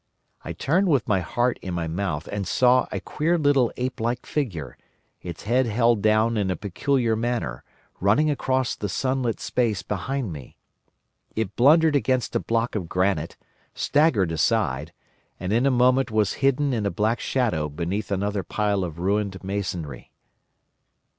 I turned with my heart in my mouth, and saw a queer little ape like figure, its head held down in a peculiar manner, running across the sunlit space behind me. It blundered against a block of granite, staggered aside, and in a moment was hidden in a black shadow beneath another pile of ruined masonry.